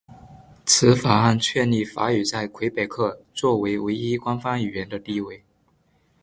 此法案确立法语在魁北克作为唯一官方语言的地位。